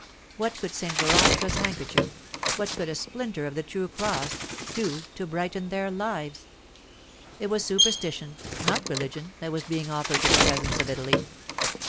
What could St. Veronica's handkerchief, what could a splinter of the true cross, do to brighten their lives? It was superstition, not religion, that was being offered to the peasants of Italy.